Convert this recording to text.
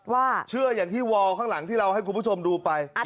เชื่ออย่างที่วอลข้างหลังที่เราให้คุณผู้ชมดูไป